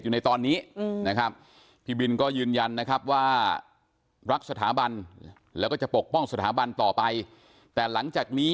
นะครับพี่บินก็ยืนยันนะครับว่ารักสถาบัน